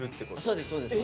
そうですそうです。